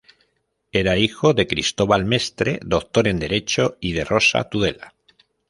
Era hijo de Cristóbal Mestre, doctor en Derecho, y de Rosa Tudela.